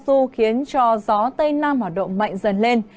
bão kompassu khiến cho gió tây nam hoạt động mạnh dần lên